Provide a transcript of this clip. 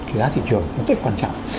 giá thị trường rất quan trọng